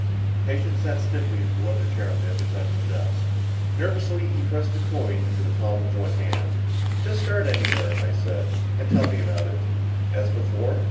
The patient sat stiffly in the leather chair on the other side of the desk. Nervously he pressed a coin into the palm of one hand. "Just start anywhere," I said, "and tell me all about it." "As before?"